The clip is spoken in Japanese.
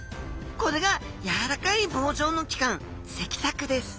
これがやわらかい棒状の器官脊索です。